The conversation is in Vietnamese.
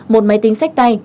một máy tính sách tay